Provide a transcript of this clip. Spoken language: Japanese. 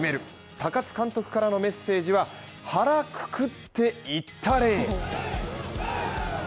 高津監督からのメッセージは、腹くくって、いったれ！